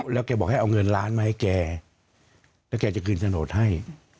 แล้วแกบอกให้เอาเงินล้านมาให้แกแล้วแกจะคืนโฉนดให้